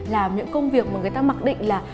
làm những công việc mà người ta mặc định là